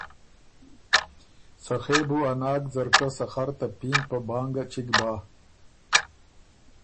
سخے بُو ا ناک ځرکۀ سخر ته پینګ په بانګ چِګ بَۀ۔